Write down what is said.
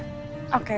aku mau pergi kerja